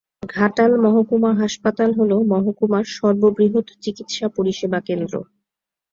ঘাটাল মহকুমা হাসপাতাল হল মহকুমার সর্ববৃহৎ চিকিৎসা পরিষেবা কেন্দ্র।